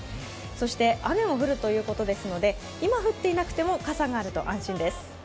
そして雨も降るということですので今は降っていなくても傘があると安心です。